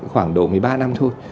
khoảng độ một mươi ba năm thôi